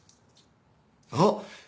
あっ！